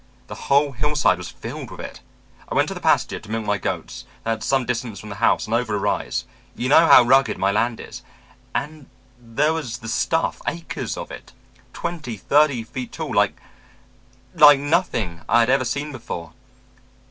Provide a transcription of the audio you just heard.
The whole hillside was filled with it. I went to the pasture to milk my goats that's some distance from the house and over a rise; you know how rugged my land is and there was the stuff, acres of it, twenty, thirty feet tall, like like nothing I had ever seen before.